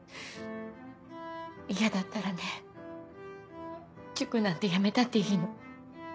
嫌だったらね塾なんてやめたっていいの。